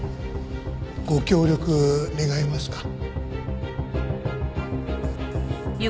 ご協力願えますか？